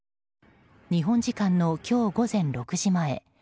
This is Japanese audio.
日本時間の今日午前６時前